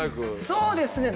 そうですね。